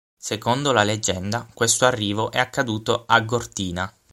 Secondo la leggenda, questo arrivo è accaduto a Gortina.